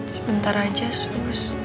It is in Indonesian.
sebentar aja sus